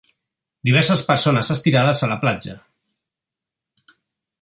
Diverses persones estirades a la platja.